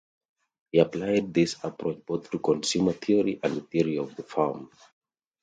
He applied this approach both to consumer theory and the theory of the firm.